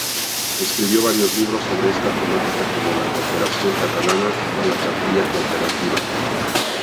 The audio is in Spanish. Escribió varios libros sobre esta temática como "La cooperación catalana" o "La Cartilla Cooperativa".